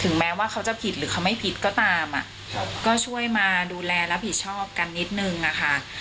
แม้ว่าเขาจะผิดหรือเขาไม่ผิดก็ตามก็ช่วยมาดูแลรับผิดชอบกันนิดนึงอะค่ะ